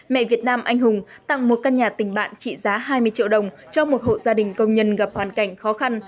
mẹ việt nam anh hùng tặng một căn nhà tình bạn trị giá hai mươi triệu đồng cho một hộ gia đình công nhân gặp hoàn cảnh khó khăn